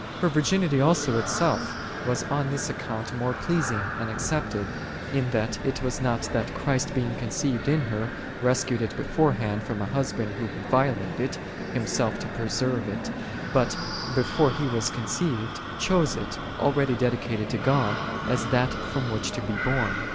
4. Her virginity also itself was on this ac count more pleasing and accepted, in that it was not that Christ being conceived in her, rescued it beforehand from a husband who would violate it, Himself to preserve it; but, before He was conceived, chose it, already dedicated to God, as that from which to be born.